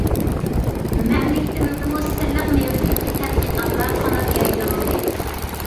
مەملىكىتىمىزدىمۇ سىرلىق مېۋە ئۈستىدىكى تەتقىقاتلار قانات يايدۇرۇلدى.